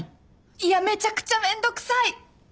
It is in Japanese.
いやめちゃくちゃ面倒くさい！